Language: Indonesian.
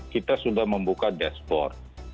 kita sudah membuka dashboard